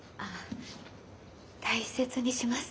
大切にします。